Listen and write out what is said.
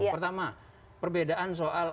pertama perbedaan soal